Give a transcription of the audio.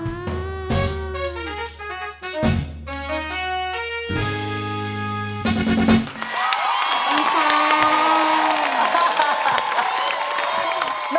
ขอบคุณค่ะ